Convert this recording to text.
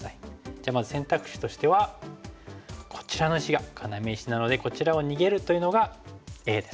じゃあまず選択肢としてはこちらの石が要石なのでこちらを逃げるというのがＡです。